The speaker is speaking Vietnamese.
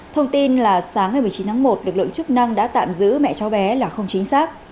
thông tin là sáng ngày một mươi chín tháng một lực lượng chức năng đã tạm giữ mẹ cháu bé là không chính xác